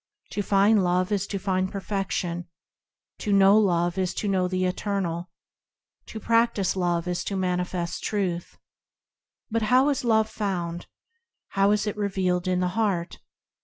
To find Love is to find Perfection; To know Love is to know the Eternal; To practise Love is to manifest Truth. But how is Love found ? How is it revealed in the heart